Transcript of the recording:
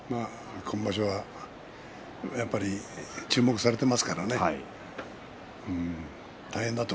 今場所は注目されていますからね。